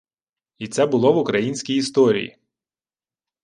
І це було в українській історії